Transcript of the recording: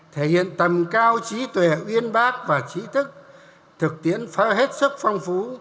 thể hiện tầm cao trí tuệ uyên bác và trí thức thực tiễn phơ hết sức phong phú